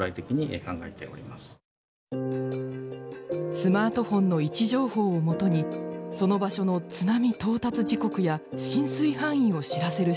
スマートフォンの位置情報を基にその場所の津波到達時刻や浸水範囲を知らせる仕組みです。